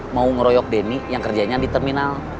mau ngeroyok denny yang kerjanya di terminal